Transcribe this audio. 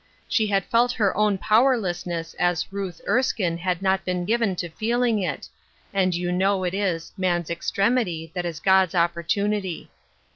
She had felt her own pow erlessness as Ruth Ershhie had not been given to feeling it, and you know it is "man's extremity that is God's opportunity."